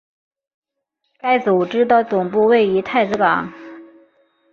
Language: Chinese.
该组织的总部位于太子港。